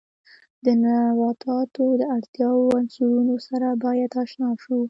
د نباتاتو د اړتیاوو عنصرونو سره باید آشنا شو.